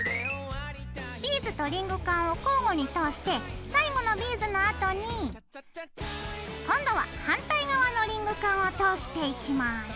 ビーズとリングカンを交互に通して最後のビーズのあとに今度は反対側のリングカンを通していきます。